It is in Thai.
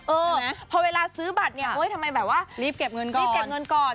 เออพอเวลาซื้อบัตรเนี่ยทำไมแบบว่ารีบเก็บเงินก่อน